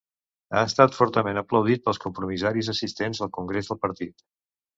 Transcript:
Ha estat fortament aplaudit pels compromissaris assistents al congrés del partit.